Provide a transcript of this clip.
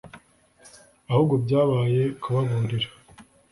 ahubwo byabaye kubaburira